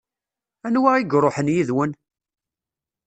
Anwa i iṛuḥen yid-wen?